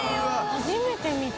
初めて見た。